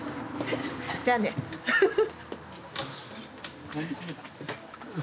じゃあねフフッ。